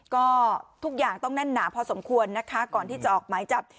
ก็ทุกอย่างต้องแน่นหนาพอสมควรนะคะก่อนที่จะออกหมายจับ